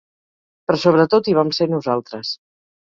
Però sobretot hi vam ser nosaltres.